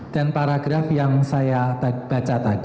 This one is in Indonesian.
dan paragraf yang saya baca tadi